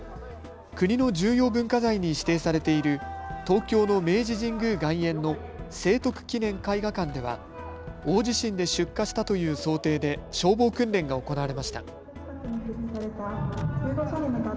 国の重要文化財に指定されている東京の明治神宮外苑の聖徳記念絵画館では大地震で出火したという想定で消防訓練が行われました。